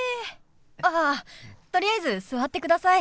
あっとりあえず座ってください。